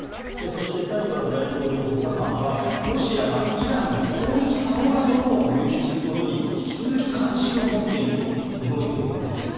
そして、サリバン大統領補佐官はロシアがイランの攻撃可能なドローンを入手することに引き続き関心を持っていると述べているわけです。